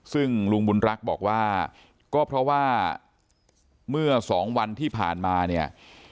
ซึ่งลุงบุญรักษ์บอกว่าก็เพราะว่าเมื่อสองวันที่ผ่านมาเนี่ย